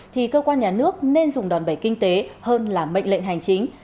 thì cơ quan nhà nước nên dùng đòn bẩy kinh tế hơn là mệnh lệnh hành chính